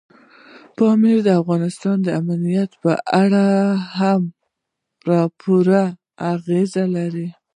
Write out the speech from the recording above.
پامیر د افغانستان د امنیت په اړه هم پوره اغېز لري.